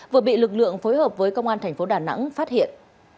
vừa bị lực lượng phối hợp với công an tp đà nẵng phát hiện